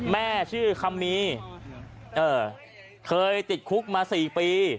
แม่ชื่อคำมีเคยติดคุกมา๔ปี